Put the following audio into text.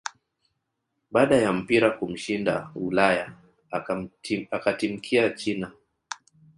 baada ya mpira kumshinda Ulaya akatimkia china